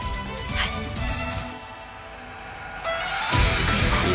「救いたい」